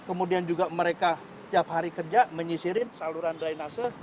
kemudian juga mereka tiap hari kerja menyisirin saluran drainase